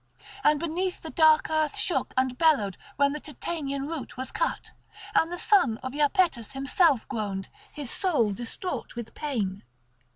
And beneath, the dark earth shook and bellowed when the Titanian root was cut; and the son of Iapetus himself groaned, his soul distraught with pain.